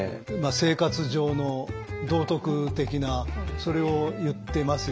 生活上の道徳的なそれを言ってますよね。